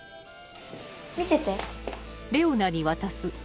見せて。